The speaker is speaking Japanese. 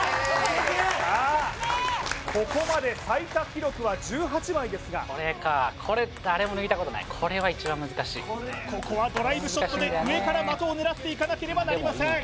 ここまで最多記録は１８枚ですがこれかこれこれは一番難しいここはドライブショットで上から的を狙っていかなければなりません